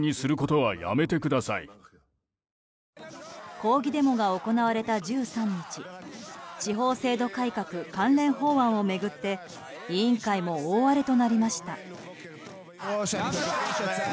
抗議デモが行われた１３日地方制度改革関連法案を巡って委員会も大荒れとなりました。